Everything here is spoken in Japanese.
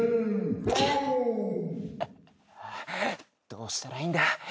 どうしたらいいんだ。